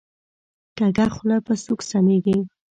کږه خوله په سوک سمیږي